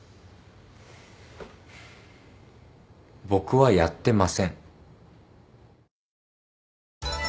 僕はやってません。